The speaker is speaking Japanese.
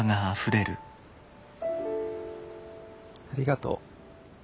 ありがとう。